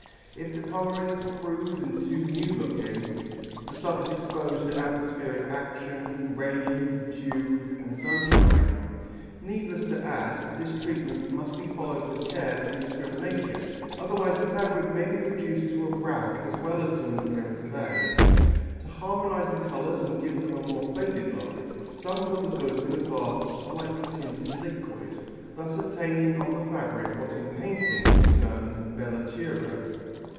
If the colouring is crude and too new looking, the stuff is exposed to atmospheric action, rain, dew and sunshine. Needless to add, this treatment must be followed with care and discrimination otherwise the fabric may be reduced to a rag as well as to an appearance of age. To harmonize the colours and give them a more faded look, some put the goods into a bath of slightly tinted liquid, thus obtaining on the fabric what in painting is termed velatura.